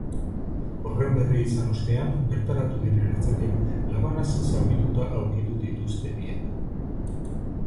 Horren berri izan ostean bertaratu diren ertzainek labanaz zaurituta aurkitu dituzte biak.